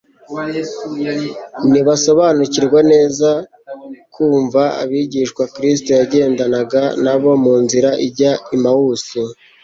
Ntibasobanukirwa neza kumta abigishwa Kristo yagendanaga na bo mu nzira ijya Emausi.